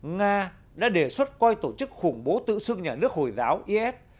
nga đã đề xuất coi tổ chức khủng bố tự xưng nhà nước hồi giáo is